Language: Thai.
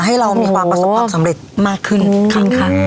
ให้เรามีความประสบความสำเร็จมากขึ้นค่ะ